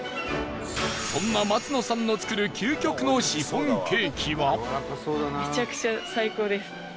そんな松野さんの作る究極のシフォンケーキは？